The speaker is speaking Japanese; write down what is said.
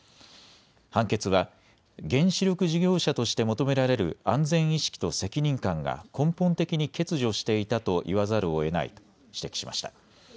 判決は、原子力事業者として求められる安全意識と責任感が根本的に欠如していたと言わざるをえないと指摘しました。